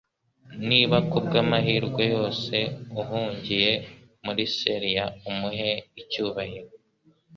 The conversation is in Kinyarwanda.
Niba kubwamahirwe yose uhungiye muri Celia umuhe icyubahiro